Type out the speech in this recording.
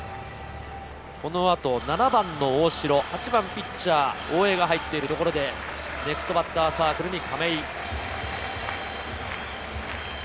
この後７番の大城、８番ピッチャー・大江が入っているところでネクストバッターズサークルに亀井。